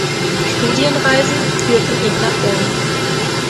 Studienreisen führten ihn nach Rom.